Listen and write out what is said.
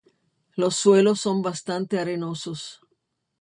Los suelos son bastante arenosos.